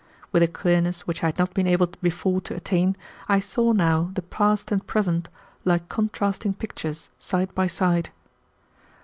With a clearness which I had not been able before to attain, I saw now the past and present, like contrasting pictures, side by side.